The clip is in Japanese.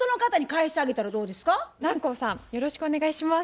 よろしくお願いします。